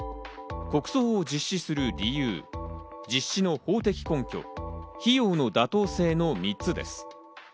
国葬を実施する理由、実施の法的根拠、費用の妥当性の３つです。